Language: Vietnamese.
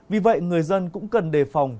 vì vậy người dân cũng cần đề phòng